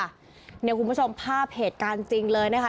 คุณผู้ชมภาพเหตุการณ์จริงเลยนะคะ